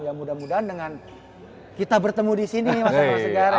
ya mudah mudahan dengan kita bertemu disini masak masak sekarang kan